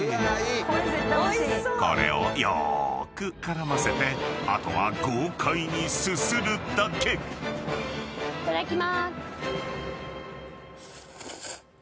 ［これをよーく絡ませてあとは豪快にすするだけ］いただきます。